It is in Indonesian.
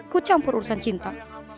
kucampur urusan cinta